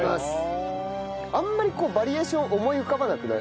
あんまりバリエーション思い浮かばなくない？